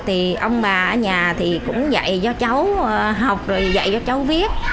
thì ông bà ở nhà thì cũng dạy cho cháu học rồi dạy cho cháu viết